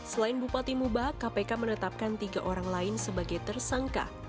selain bupati mubah kpk menetapkan tiga orang lain sebagai tersangka